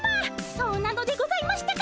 そうなのでございましたか！